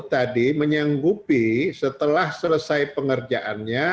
tadi menyanggupi setelah selesai pengerjaannya